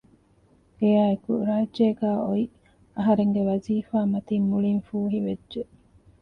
އެއާއެކު ރާއްޖޭގައި އޮތް އަހަރެންގެ ވަޒީފާ މަތިން މުޅީން ފޫހިވެއްޖެ